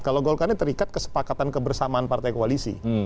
kalau golkar ini terikat kesepakatan kebersamaan partai koalisi